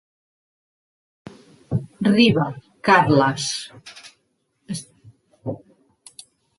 Riba, Carles.